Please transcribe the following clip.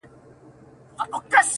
ه زه تر دې کلامه پوري پاته نه سوم.